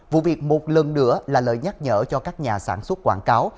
vụ việc một lần nữa là lời nhắc nhở cho các nhà sản xuất quảng cáo